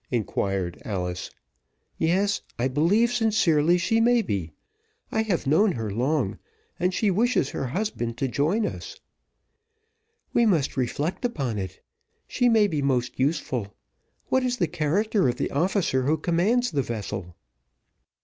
inquired Alice. "Yes, I believe sincerely she may be. I have known her long; and she wishes her husband to join us." "We must reflect upon it. She may be most useful. What is the character of the officer who commands the vessel?"